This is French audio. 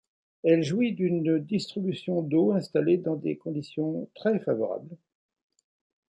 Elle jouit d’une distribution d’eau installée dans des conditions très favorables.